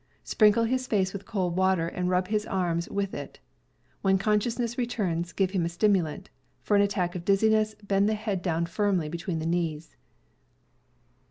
Sprinkle his face with cold water and rub his arms with it. When consciousness returns, give him a stimulant. For an attack of dizziness, bend the head down firmly between the knees.